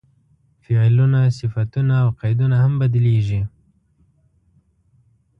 فعلونه، صفتونه او قیدونه هم بدلېږي.